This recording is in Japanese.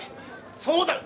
そうだよ！